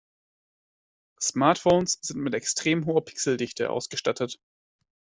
Smartphones sind mit extrem hoher Pixeldichte ausgestattet.